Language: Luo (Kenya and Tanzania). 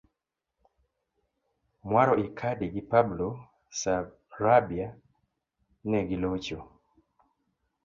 Muaro Icardi gi Pablo Sarabia negilocho